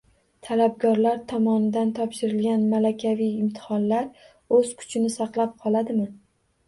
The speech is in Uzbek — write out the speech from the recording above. Talabgorlar tomonidan topshirilgan malakaviy imtihonlar o‘z kuchini saqlab qoladimi?